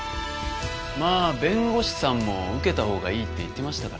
まあ弁護士さんも受けたほうがいいって言ってましたから。